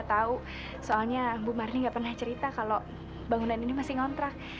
tanpa ada menggambar